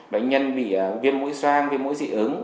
bệnh nhân bị viêm mũi soang viêm mũi dị ứng